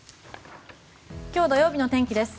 今日土曜日の天気です。